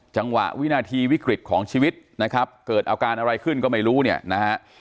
วินาทีวิกฤตของชีวิตนะครับเกิดอาการอะไรขึ้นก็ไม่รู้เนี่ยนะฮะ